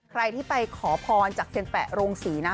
ใครที่ไปขอพรจากเซียนแปะโรงศรีนะ